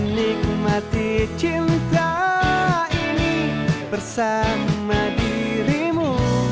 nikmati cinta ini bersama dirimu